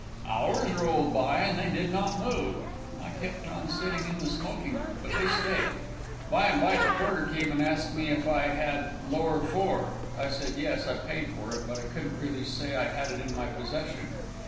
Hours rolled by and they did not move. I kept on sitting in the smoking room, but they stayed. By and by the porter came and asked me if I had "lower four." I said yes I paid for it, but I couldn't really say I had it in my possession.